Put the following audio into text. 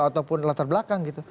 ataupun latar belakang gitu